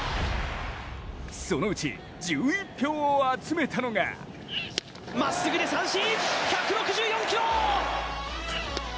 そのうち、１１票を集めたのがまっすぐに三振１６４キロ！